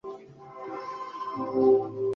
Es el primer álbum conceptual de la banda.